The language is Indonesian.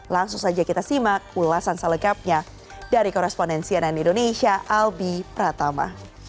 langsung saja kita simak ulasan selekapnya dari korrespondensi anan indonesia albi pratama